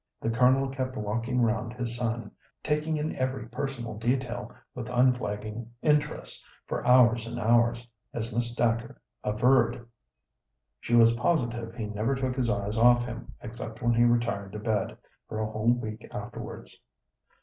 The Colonel kept walking round his son, taking in every personal detail with unflagging interest for hours and hours, as Miss Dacre averred; she was positive he never took his eyes off him, except when he retired to bed, for a whole week afterwards.